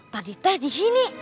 tadi teh di sini